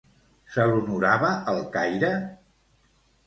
Se l'honorava al Caire?